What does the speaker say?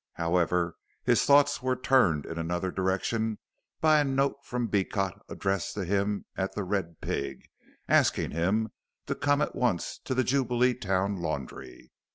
However, his thoughts were turned in another direction by a note from Beecot addressed to him at "The Red Pig," asking him to come at once to the Jubileetown Laundry.